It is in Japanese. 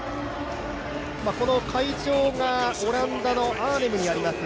この会場がオランダのアーネムにあります